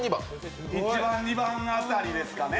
１番、２番あたりですかね。